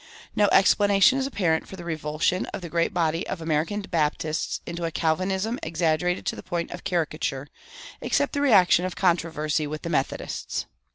No explanation is apparent for the revulsion of the great body of American Baptists into a Calvinism exaggerated to the point of caricature, except the reaction of controversy with the Methodists.